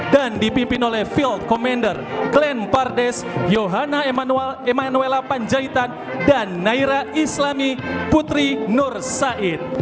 dan dipimpin oleh field commander klen partai